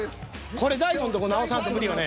これ「大悟」んとこ直さんと無理よね。